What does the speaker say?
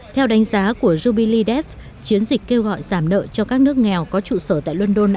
theo đánh giá của jubilee dev chiến dịch kêu gọi giảm nợ cho các nước nghèo có trụ sở tại london